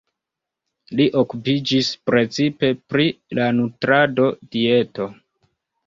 Li okupiĝis precipe pri la nutrado-dieto.